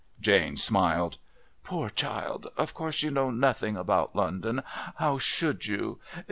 Jane smiled. "Poor child. Of course you know nothing about London. How should you?